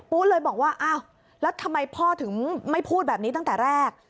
เลยบอกว่าอ้าวแล้วทำไมพ่อถึงไม่พูดแบบนี้ตั้งแต่แรก